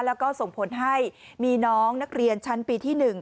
แล้วก็ส่งผลให้มีน้องนักเรียนชั้นปีที่๑